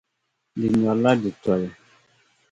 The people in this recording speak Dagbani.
Di nyɔrla di toli.